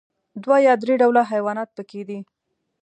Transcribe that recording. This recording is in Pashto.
دوه یا درې ډوله حيوانات پکې دي.